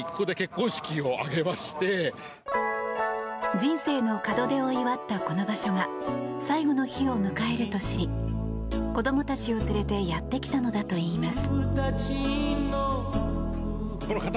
人生の門出を祝ったこの場所が最後の日を迎えると知り子どもたちを連れてやってきたのだといいます。